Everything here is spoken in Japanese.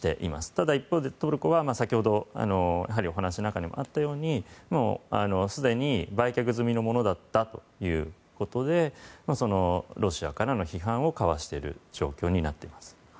ただ一方で、トルコは先ほどお話の中にもあったようにすでに売却済みのものだったということでロシアからの批判をかわしている状況です。